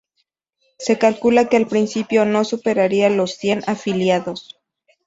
Se calcula que al principio no superaría los cien afiliados.